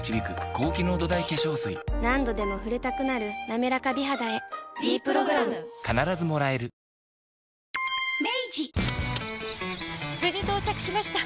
何度でも触れたくなる「なめらか美肌」へ「ｄプログラム」無事到着しました！